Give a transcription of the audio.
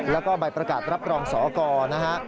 แล้วก็ใบประกาศรับรองสอกรนะฮะ